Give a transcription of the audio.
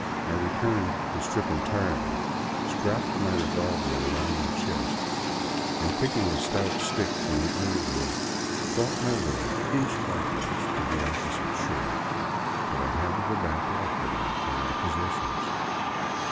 I returned to strip en tirely, strapped my revolver about my chest and, picking a stout stick from the undergrowth, fought my way inch by inch to the opposite shore. But I had to go back to Ecuador for my possessions.